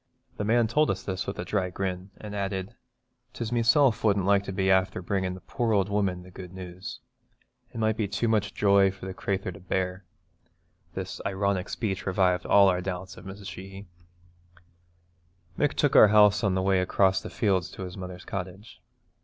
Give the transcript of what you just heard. The man told us this with a dry grin, and added, ''Tis meself wouldn't like to be afther bringin' the poor ould woman the good news. It might be too much joy for the crathur to bear.' This ironic speech revived all our doubts of Mrs. Sheehy. Mick took our house on the way across the fields to his mother's cottage.